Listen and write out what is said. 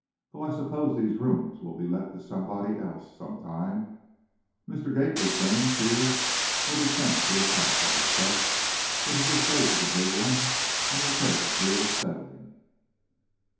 Though I suppose these rooms will be let to somebody else, some time. Mr. Gately's things here will be sent to his house, I expect, but his estate is a big one and will take a deal of settling."